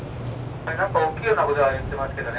「何か大きいようなことは言ってますけどね」。